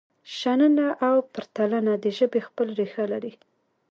شننه او پرتلنه د ژبې خپل ریښه لري.